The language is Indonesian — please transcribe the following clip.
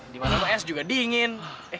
di mana pak es juga dingin